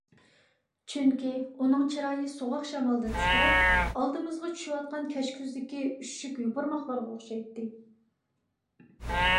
چۈنكى، ئۇنىڭ چىرايى سوغۇق شامالدا تىترەپ ئالدىمىزغا چۈشۈۋاتقان كەچكۈزدىكى ئۈششۈك يوپۇرماقلارغا ئوخشايتتى.